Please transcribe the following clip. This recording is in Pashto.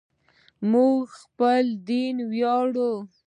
موږ په خپل دین ویاړو.